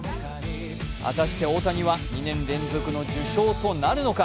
果たして大谷は、２年連続の受賞となるのか。